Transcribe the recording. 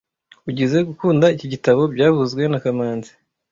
Ugizoe gukunda iki gitabo byavuzwe na kamanzi